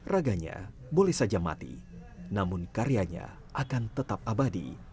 raganya boleh saja mati namun karyanya akan tetap abadi